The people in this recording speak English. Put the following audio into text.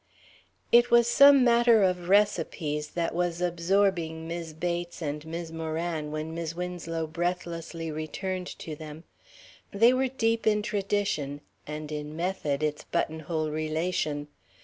It was some matter of recipes that was absorbing Mis' Bates and Mis' Moran when Mis' Winslow breathlessly returned to them. They were deep in tradition, and in method, its buttonhole relation.